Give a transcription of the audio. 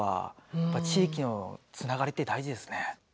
やっぱ地域のつながりって大事ですね。